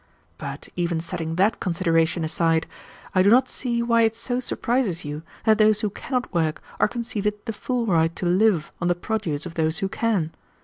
"But even setting that consideration aside, I do not see why it so surprises you that those who cannot work are conceded the full right to live on the produce of those who can.